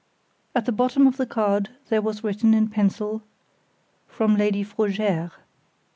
_ At the bottom of the card there was written in pencil: _From Lady Frogère.